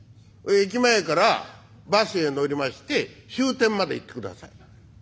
駅前からバスへ乗りまして終点まで行ってください。